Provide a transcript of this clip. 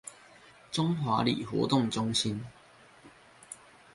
中華里活動中心